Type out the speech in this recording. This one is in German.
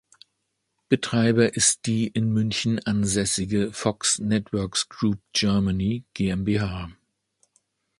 Betreiber ist die in München ansässige Fox Networks Group Germany GmbH.